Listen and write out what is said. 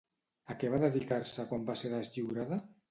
A què va dedicar-se quan va ser deslliurada?